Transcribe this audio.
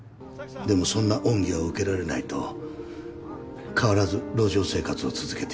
でもそんな恩義は受けられないと変わらず路上生活を続けていた。